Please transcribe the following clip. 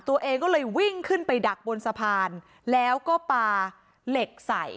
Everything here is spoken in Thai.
ตัวเองก็เลยวิ่งขึ้นไปดักบนสะพานแล้วก็ปลาเหล็กใส่